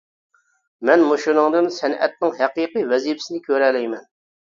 مەن مۇشۇنىڭدىن سەنئەتنىڭ ھەقىقىي ۋەزىپىسىنى كۆرەلەيمەن.